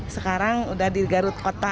sekarang udah di garut kota